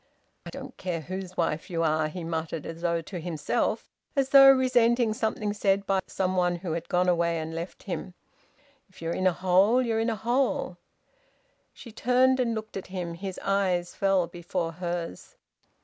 "I don't care whose wife you are!" he muttered, as though to himself, as though resenting something said by some one who had gone away and left him. "If you're in a hole, you're in a hole." She turned and looked at him. His eyes fell before hers.